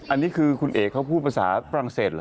อันนี้คือคุณเอกเขาพูดภาษาฝรั่งเศสเหรอ